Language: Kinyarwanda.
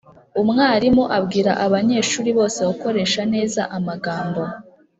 Umwarimu abwira abanyeshuri bose gukoresha neza amagambo